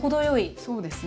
そうですね